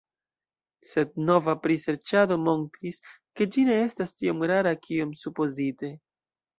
Sed nova priserĉado montris, ke ĝi ne estas tiom rara kiom supozite.